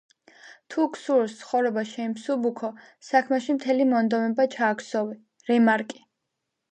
„თუ გსურს, ცხოვრება შეიმსუბუქო, საქმეში მთელი მონდომება ჩააქსოვე.” – რემარკი.